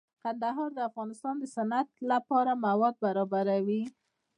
کندهار د افغانستان د صنعت لپاره مواد برابروي.